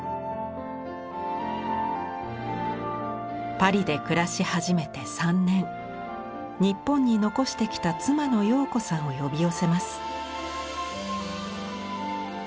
パリで暮らし始めて３年日本に残してきた妻の陽子さんを呼び寄せます。